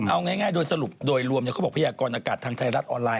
เอาง่ายโดยสรุปโดยรวมเขาบอกพยากรอากาศทางไทยรัฐออนไลน